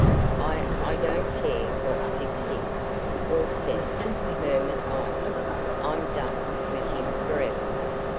"I I don't care what Sid thinks or says," murmured Ida, "I'm done with him forever."